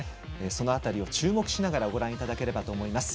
その辺りに注目しながらご覧いただければと思います。